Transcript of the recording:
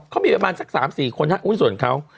เขามีประมาณสัก๓๔คนครับหุ้นส่วนเขา